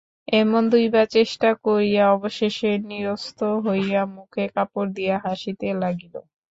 এমন দুইবার চেষ্টা করিয়া অবশেষে নিরস্ত হইয়া মুখে কাপড় দিয়া হাসিতে লাগিল।